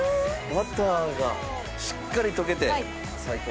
バターがしっかり溶けて最高。